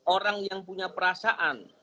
orang yang punya perasaan